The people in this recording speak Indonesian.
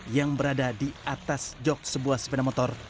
yang berada di atas jok sebuah sepeda motor